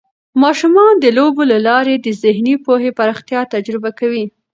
ماشومان د لوبو له لارې د ذهني پوهې پراختیا تجربه کوي.